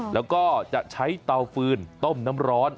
แล้วก็จะใช้เตาฟืนต้มน้ำร้อน